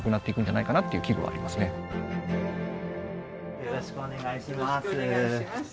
よろしくお願いします。